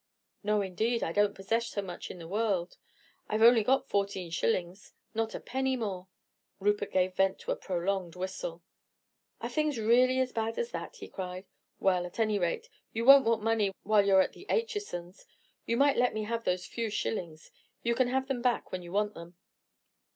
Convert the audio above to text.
"No, indeed, I don't possess so much in the world. I've only got fourteen shillings, not a penny more." Rupert gave vent to a prolonged whistle. "Are things really as bad as that?" he cried. "Well, at any rate, you won't want money while you are at the Achesons'. You might let me have those few shillings; you can have them back when you want them."